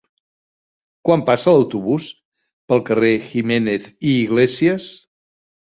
Quan passa l'autobús pel carrer Jiménez i Iglesias?